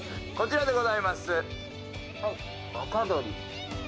こちらでございます。